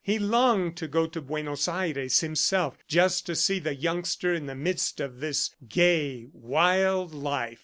He longed to go to Buenos Aires himself, just to see the youngster in the midst of this gay, wild life.